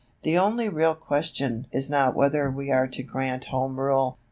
The only real question is not Whether we are to grant Home Rule, but How.